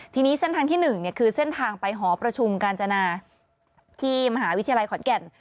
ทีนี้เส้นทางที่๑คือเส้นทางไปหอประชุมกาญจนาที่มหาวิทยาลัยขอนแก่น